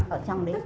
ở trong đấy